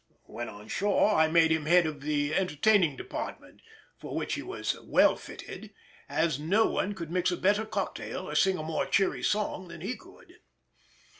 When on shore I made him head of the entertaining department, for which he was well fitted, as no one could mix a better cocktail or sing a more cheery song than he could.